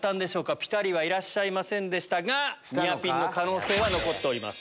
ピタリはいらっしゃいませんでしたがニアピンの可能性は残ってます。